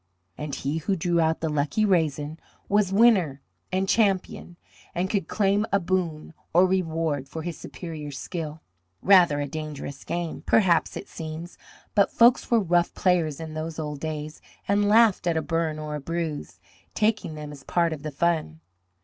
And he who drew out the lucky raisin was winner and champion, and could claim a boon or reward for his superior skill. Rather a dangerous game, perhaps it seems, but folks were rough players in those old days and laughed at a burn or a bruise, taking them as part of the fun.